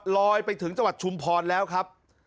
ไปถึงจังหวัดชุมพรแล้วครับ